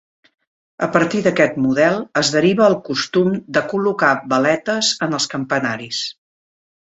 A partir d'aquest model es deriva el costum de col·locar veletes en els campanaris.